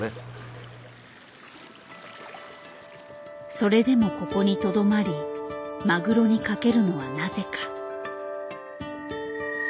それでもここにとどまりマグロに懸けるのはなぜか。